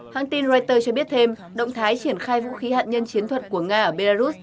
hãng tin reuters cho biết thêm động thái triển khai vũ khí hạt nhân chiến thuật của nga ở belarus